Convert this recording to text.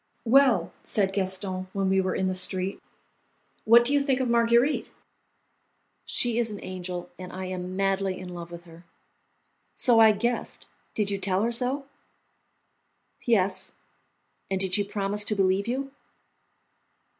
"Well," said Gaston, when we were in the street, "what do you think of Marguerite?" "She is an angel, and I am madly in love with her." "So I guessed; did you tell her so?" "Yes." "And did she promise to believe you?"